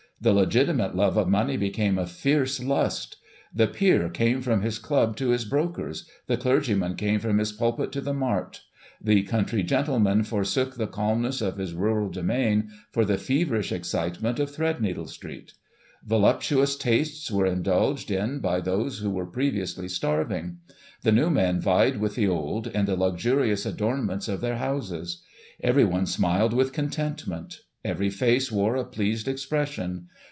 The legitimate love of money became a fierce lust. The peer came from his club to his brokers ; the clergyman came from his pulpit to the mart ; the country gentleman for sook the calmness of his rural domain for the feverish excite Digiti ized by Google i84S] DEPOSIT OF PLANS. 281 ment of Threadneedle Street. Voluptuous tastes were in dulged in by those who were previously starving. The new men vied with the old, in the luxurious adornments of their houses. Everyone smiled with contentment ; every face wore a pleased expression.